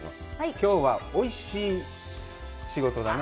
きょうは、おいしい仕事だね？